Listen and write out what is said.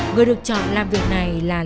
người được chọn làm việc này là